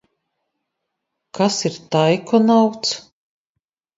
Kas ir taikonauts?